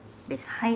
はい。